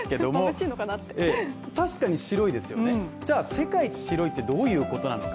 確かに白いですよね、世界一白いってどういうことなのか。